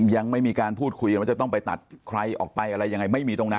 ยังไม่มีการพูดคุยกันว่าจะต้องไปตัดใครออกไปอะไรยังไงไม่มีตรงนั้น